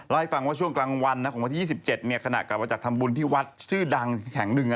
ให้ฟังว่าช่วงกลางวันของวันที่๒๗ขณะกลับมาจากทำบุญที่วัดชื่อดังแห่งหนึ่ง